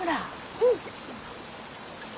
うん！